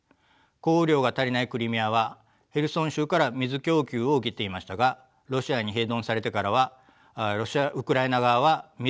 降雨量が足りないクリミアはヘルソン州から水供給を受けていましたがロシアに併合されてからはウクライナ側は水供給を止めていました。